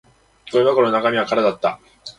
ゴミ箱の中身は空だった